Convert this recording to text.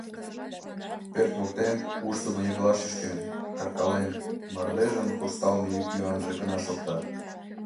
Пӧрт воктен, ушдымо еҥла шӱшкен, кыркален, мардежын куржталме йӱк-йӱанже гына шокта.